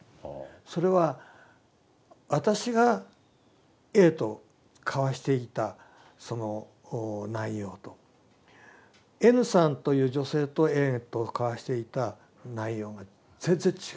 それは私がＡと交わしていたその内容とＮさんという女性とＡと交わしていた内容が全然違う。